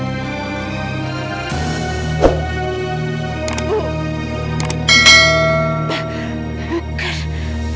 jangan lupa druk rating